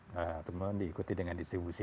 nah teman teman diikuti dengan